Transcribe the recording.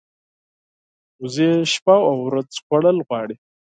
وزې شپه او ورځ خوړل غواړي